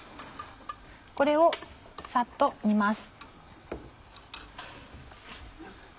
これをサッと煮ます。